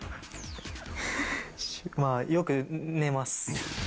まあよく寝ます。